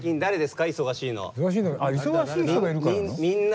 あっ忙しい人がいるからなの？